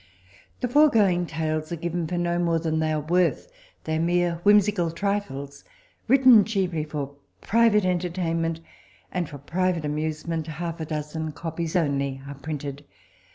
The foregoing Tales are given for no more than they are worth: they are mere whimsical trifles, written chiefly for private entertainment, and for private amusement half a dozen copies only are printed.